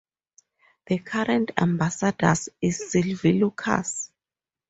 The current ambassador is Sylvie Lucas.